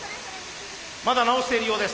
まだ直しているようです。